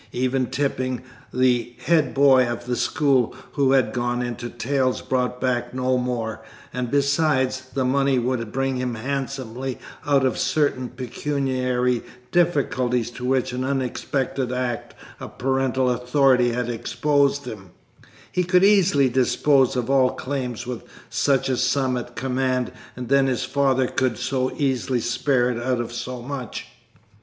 Even Tipping, the head boy of the school, who had gone into tails, brought back no more, and besides, the money would bring him handsomely out of certain pecuniary difficulties to which an unexpected act of parental authority had exposed him; he could easily dispose of all claims with such a sum at command, and then his father could so easily spare it out of so much!